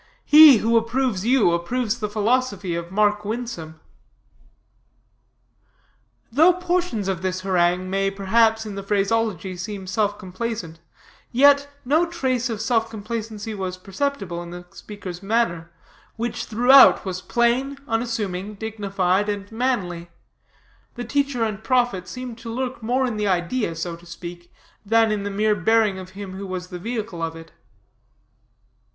He, who approves you, approves the philosophy of Mark Winsome." Though portions of this harangue may, perhaps, in the phraseology seem self complaisant, yet no trace of self complacency was perceptible in the speaker's manner, which throughout was plain, unassuming, dignified, and manly; the teacher and prophet seemed to lurk more in the idea, so to speak, than in the mere bearing of him who was the vehicle of it.